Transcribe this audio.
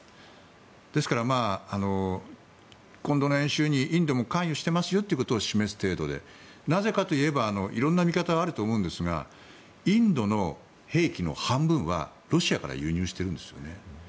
ですから、今度の演習にインドも関与していますよということを示す程度でなぜかといえば色んな見方はあると思うんですがインドの兵器の半分はロシアから輸入しているんですよね。